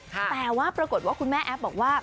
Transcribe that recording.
แต่ว่าปรากฏว่าคุณแม่แอฟบอกว่า